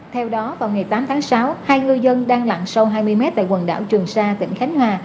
theo đó vào ngày tám tháng sáu hai người dân đang lặn sâu hai mươi m tại quần đảo trường sa tỉnh khánh hòa